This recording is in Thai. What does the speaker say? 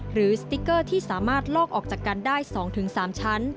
สติ๊กเกอร์ที่สามารถลอกออกจากกันได้๒๓ชั้น